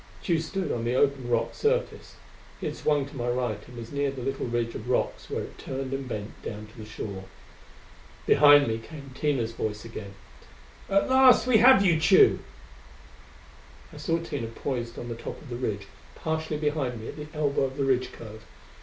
Tugh stood on the open rock surface. He had swung to my right and was near the little ridge of rocks where it turned and bent down to the shore. Behind me came Tina's voice again: "At last we have you, Tugh!" I saw Tina poised on the top of the ridge, partially behind me at the elbow of the ridge curve.